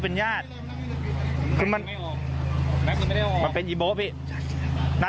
เป็นรูปหรือเป็นอะไร